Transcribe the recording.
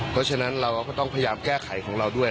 เพราะฉะนั้นเราก็ต้องพยายามแก้ไขของเราด้วย